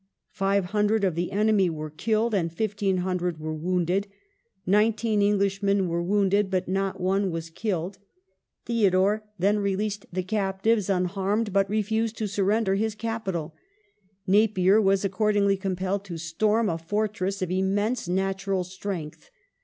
Five hundred of the enemy were killed and 1,500 were wounded. Nineteen Englishmen were wounded, but not one was killed. 24 370 COLONIAL AND FOREIGN POLICY [1864 Theodore then released the captives unharmed, but refused to surrender his capital. Napier was accordingly compelled to storm a fortress of immense natural strength.